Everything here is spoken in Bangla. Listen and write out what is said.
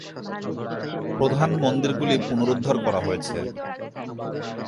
প্রধান মন্দিরগুলি পুনরুদ্ধার করা হয়েছে।